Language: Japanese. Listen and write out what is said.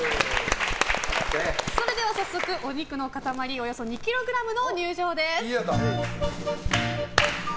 それでは早速、お肉の塊およそ２ｋｇの入場です。